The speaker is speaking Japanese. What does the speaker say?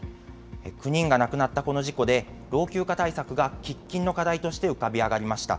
９人が亡くなったこの事故で、老朽化対策が喫緊の課題として浮かび上がりました。